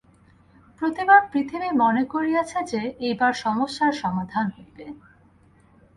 প্রতিবার পৃথিবী মনে করিয়াছে যে, এইবার সমস্যার সমাধান হইবে।